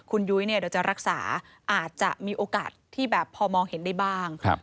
คุณยุ้ยเนี่ยเดี๋ยวจะรักษาอาจจะมีโอกาสที่แบบพอมองเห็นได้บ้าง